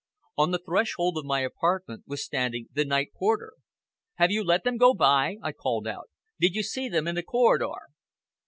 On the threshold of my own apartment was standing the night porter. "Have you let them go by?" I called out. "Did you see them in the corridor?"